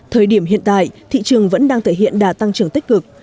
thời điểm hiện tại thị trường vẫn đang thể hiện đà tăng trưởng tích cực